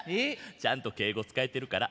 ちゃんと敬語使えてるから。